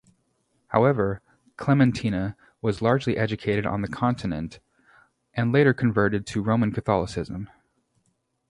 However, Clementina was largely educated on the Continent, and later converted to Roman Catholicism.